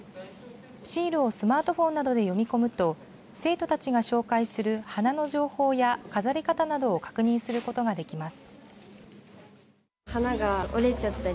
シールをスマートフォンなどで読み込むと生徒たちが紹介する花の情報や飾り方などを確認することができます。